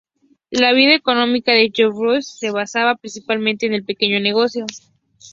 La vida económica de Jabárovsk se basaba, principalmente, en el pequeño negocio.